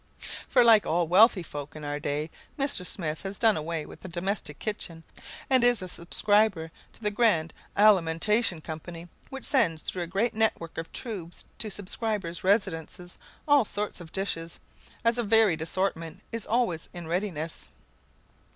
For like all wealthy folk in our day, Mr. Smith has done away with the domestic kitchen and is a subscriber to the Grand Alimentation Company, which sends through a great network of tubes to subscribers' residences all sorts of dishes, as a varied assortment is always in readiness.